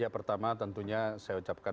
ya pertama tentunya saya ucapkan